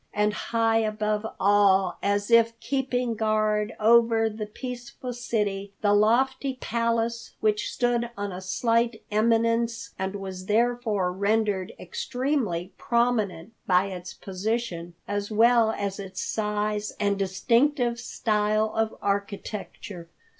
And high above all, as if keeping guard over the peaceful city, the lofty Palace, which stood on a slight eminence and was therefore rendered extremely prominent by its position as well as its size and distinctive style of architecture.